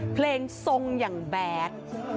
เพลงทรงอย่างแบด